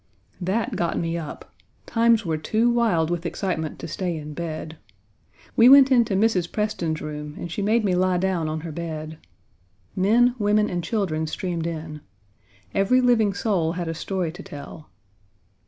That got me up. Times were too wild with excitement to stay in bed. We went into Mrs. Preston's room, and she made me lie down on her bed. Men, women, and children streamed in. Every living soul had a story to tell.